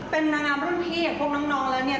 เป็นนางามรุ่นนี้พวกน้องแล้วเนี่ย